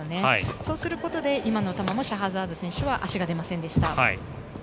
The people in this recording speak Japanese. そうすることで今の球もシャハザード選手は手がでませんでした。